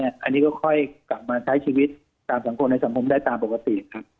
อันนี้ก็ค่อยกลับมาใช้ชีวิตตามสังคมในสังคมได้ตามปกติครับ